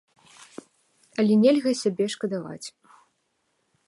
Але нельга сябе шкадаваць.